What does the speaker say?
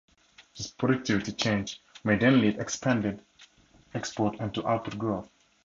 This productivity change may then lead expanded exports and to output growth.